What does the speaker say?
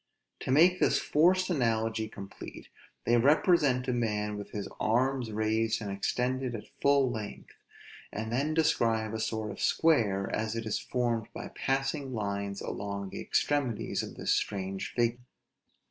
To make this forced analogy complete, they represent a man with his arms raised and extended at full length, and then describe a sort of square, as it is formed by passing lines along the extremities of this strange figure.